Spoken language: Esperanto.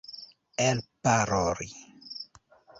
elparoli